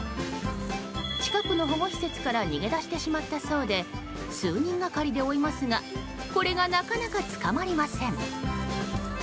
近くの保護施設から逃げ出してしまったそうで数人がかりで追いますがこれがなかなか捕まりません。